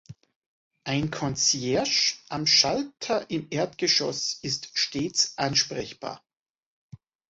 Ein Concierge am Schalter im Erdgeschoss ist stets ansprechbar.